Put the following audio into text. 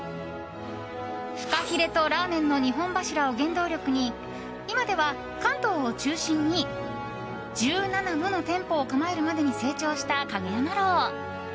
フカヒレとラーメンの２本柱を原動力に今では関東を中心に１７もの店舗を構えるまでに成長した蔭山樓。